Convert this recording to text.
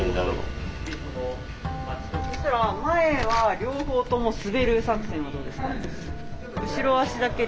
そしたら前は両方とも滑る作戦はどうですか？